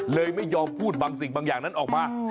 เลยไม่ยอมพูดบางสิ่งบางอย่างนั้นออกมา